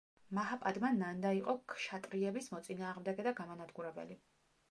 მაჰაპადმა ნანდა იყო ქშატრიების მოწინააღმდეგე და გამანადგურებელი.